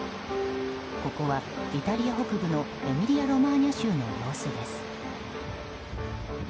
ここはイタリア北部のエミリア・ロマーニャ州の様子です。